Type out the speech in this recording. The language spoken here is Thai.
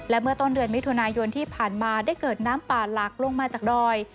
เมื่อต้นเดือนมิถุนายนที่ผ่านมาได้เกิดน้ำป่าหลักลงมาจากดอย